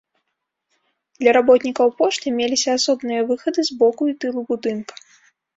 Для работнікаў пошты меліся асобныя выхады з боку і тылу будынка.